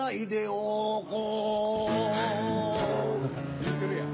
言うてるやん。